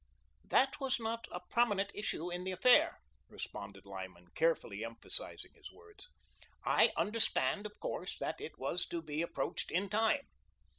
"That was not a PROMINENT issue in the affair," responded Lyman, carefully emphasising his words. "I understand, of course, it was to be approached IN TIME.